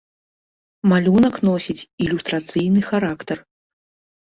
Малюнак носіць ілюстрацыйны характар.